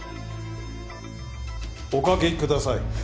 お書きください。